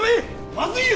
まずいよ